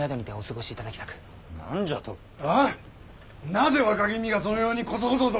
なぜ若君がそのようにこそこそと！